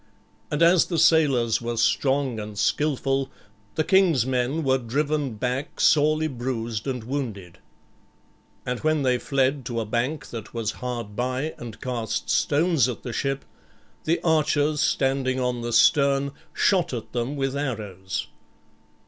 And as the sailors were strong and skilful, the king's men were driven back sorely bruised and wounded. And when they fled to a bank that was hard by and cast stones at the ship, the archers standing on the stern shot at them with arrows.